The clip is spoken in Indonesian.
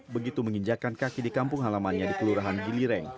begitu menginjakan kaki di kampung halamannya di kelurahan gilireng